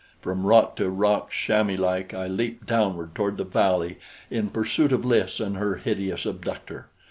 From rock to rock, chamoislike, I leaped downward toward the valley, in pursuit of Lys and her hideous abductor.